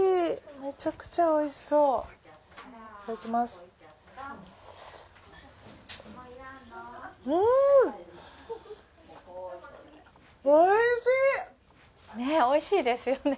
めちゃくちゃ美味しそう。ねぇ美味しいですよね